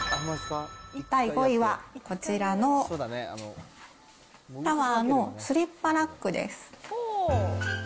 第５位は、こちらのタワーのスリッパラックです。